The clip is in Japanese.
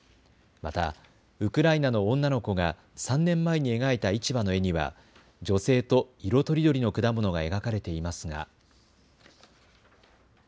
またウクライナの女の子が３年前に描いた市場の絵には女性と色とりどりの果物が描かれていますが。